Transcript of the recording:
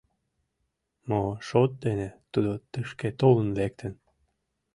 Мо шот дене тудо тышке толын лектын?